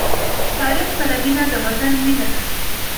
تاریخ سره مینه د وطن مینه ده.